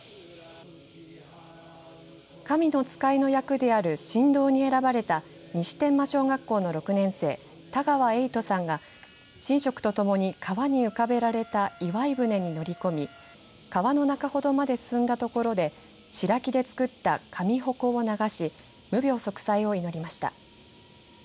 神の使いの役である神童に選ばれた西天満小学校の６年生田川瑛都さんが神職とともに川に浮かべられた斎船に乗り込み川の中ほどまで進んだところで白木で作った神鉾を流し無病息災を祈りました。